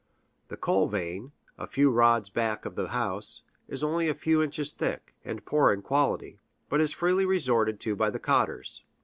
The coal vein, a few rods back of the house, is only a few inches thick, and poor in quality, but is freely resorted to by the cotters.